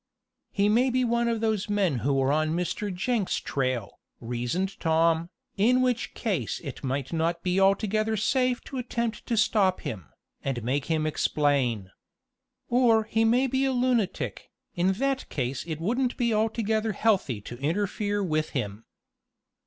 "He may be one of those men who are on Mr. Jenks' trail," reasoned Tom, in which case it might not be altogether safe to attempt to stop him, and make him explain. Or he may be a lunatic, and in that case it wouldn't be altogether healthy to interfere with him.